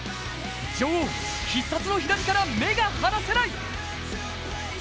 女王、必殺の左から目が離せない。